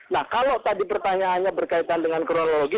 nah kalau tadi pertanyaannya berkaitan dengan kronologi